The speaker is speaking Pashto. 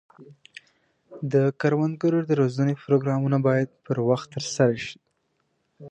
د کروندګرو د روزنې پروګرامونه باید پر وخت ترسره شي.